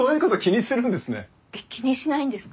気にしないんですか？